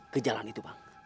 ke jalan itu bang